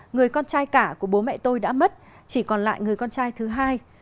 người con trai cả của bố mẹ tôi đã mất chỉ còn lại người con trai thứ hai